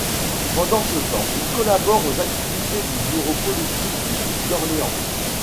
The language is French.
Pendant ce temps, il collabore aux activités du bureau politique du duc d'Orléans.